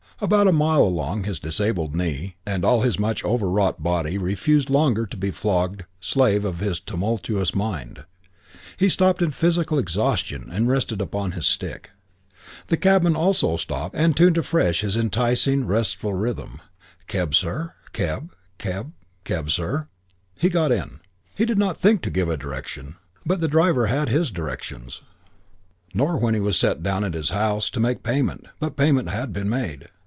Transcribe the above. About a mile along his disabled knee, and all his much overwrought body refused longer to be the flogged slave of his tumultuous mind. He stopped in physical exhaustion and rested upon his stick. The cabman also stopped and tuned afresh his enticing and restful rhythm: "Keb, sir? Keb? Keb? Keb, sir?" He got in. He did not think to give a direction, but the driver had his directions; nor, when he was set down at his house, to make payment; but payment had been made.